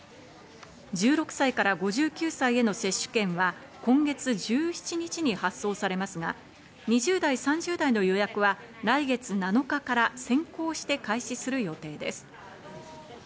１６歳から５９歳への接種券は今月１７日に発送されますが、２０代、３０代の予約は来月７日から先行して開始する予定です。